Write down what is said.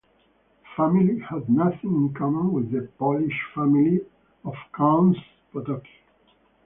The family had nothing in common with the Polish family of Counts Potocki.